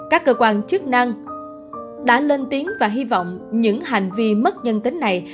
các cơ quan chức năng đã lên tiếng và hy vọng những hành vi mất nhân tính này